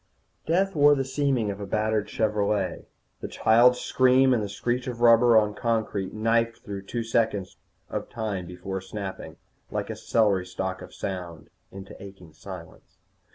_ Death wore the seeming of a battered Chevrolet. The child's scream and the screech of rubber on concrete knifed through two seconds of time before snapping, like a celery stalk of sound, into aching silence.